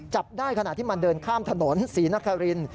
จับได้ขณะที่มันเดินข้ามถนนศรีนคริน